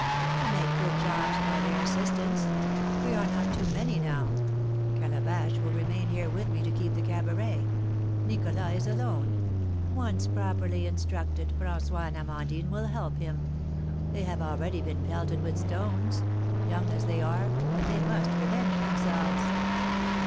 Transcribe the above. "To make good 'jobs' by their assistance. We are not too many now. Calabash will remain here with me to keep the cabaret. Nicholas is alone. Once properly instructed, François and Amandine will help him. They have already been pelted with stones, young as they are, and they must revenge themselves!"